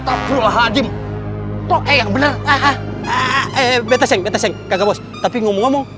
astagfirullahaladzim proyek bener ah ah eh beteseng beteseng kaget bos tapi ngomong ngomong